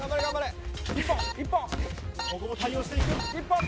ここも対応していく。